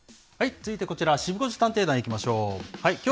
続いてこちら、シブ５時探偵団、いきましょう。